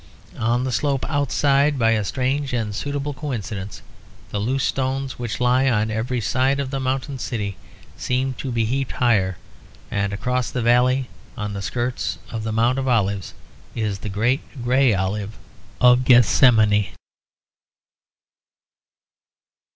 On the slope outside, by a strange and suitable coincidence, the loose stones which lie on every side of the mountain city seemed to be heaped higher; and across the valley on the skirts of the Mount of Olives is the great grey olive of Gethsemane.